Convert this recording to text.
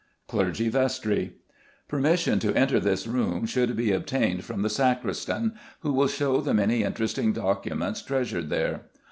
Clergy Vestry. Permission to enter this room should be obtained from the sacristan, who will show the many interesting documents treasured here.